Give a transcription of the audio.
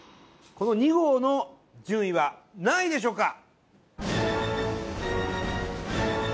この２号の順位は何位でしょうか？